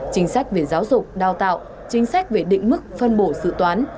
chính sách về giáo dục đào tạo chính sách về định mức phân bổ dự toán